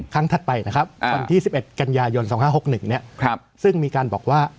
ถัดไปนะครับวันที่๑๑กันยายน๒๕๖๑ซึ่งมีการบอกว่า